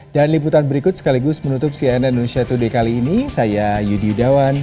dan liputan berikut sekaligus menutup cnn indonesia today kali ini saya yudi yudawan